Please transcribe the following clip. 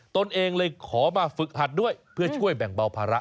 ตนเองเลยขอมาฝึกหัดด้วยเพื่อช่วยแบ่งเบาภาระ